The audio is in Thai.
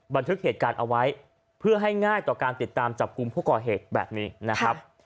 บันทึกเหตุการณ์เอาไว้เพื่อให้ง่ายต่อการติดตามจับกลุ่มผู้ก่อเหตุแบบนี้นะครับ